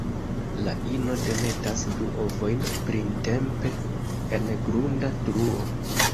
La ino demetas du ovojn printempe en grunda truo.